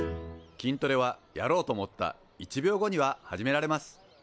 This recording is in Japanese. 筋トレはやろうと思った１秒後には始められます。